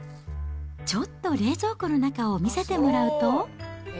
ちょっと冷蔵庫の中を見せてもらうと。